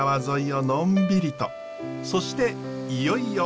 そしていよいよ。